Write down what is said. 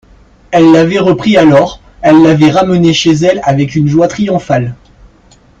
Elle l'avait repris alors, elle l'avait ramené chez elle avec une joie triomphale.